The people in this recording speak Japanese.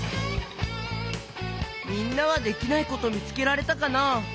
みんなはできないことみつけられたかな？